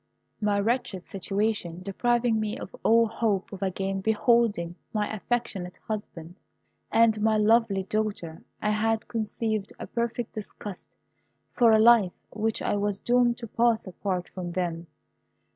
My wretched situation depriving me of all hope of again beholding my affectionate husband and my lovely daughter, I had conceived a perfect disgust for a life which I was doomed to pass apart from them.